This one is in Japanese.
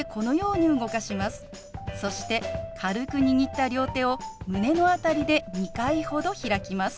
そして軽く握った両手を胸のあたりで２回ほど開きます。